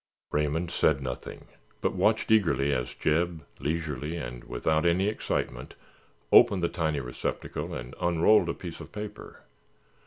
Raymond said nothing, but watched eagerly as Jeb, leisurely and without any excitement, opened the tiny receptacle and unrolled a piece of paper.